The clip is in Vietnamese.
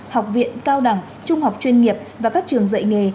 học viện cao đẳng trung học chuyên nghiệp và các trường dạy nghề